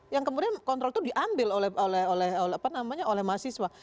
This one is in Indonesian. yang kemudian kontrol itu diambil oleh mahasiswa